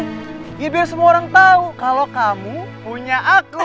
gini biar semua orang tau kalau kamu punya aku